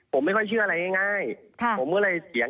บอกออกมาดูก็นั่งดูด้วยกัน